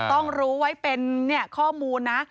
ต้องรู้ไว้เป็นข้อมูลนะ